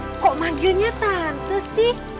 kok manggilnya tante sih